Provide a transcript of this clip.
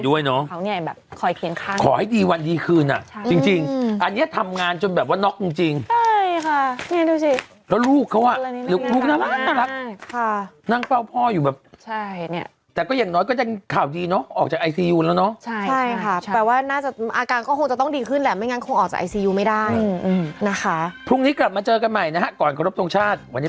วันนี้ไปกันก่อนครับสวัสดีค่ะ